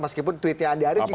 meskipun tweetnya andi arief juga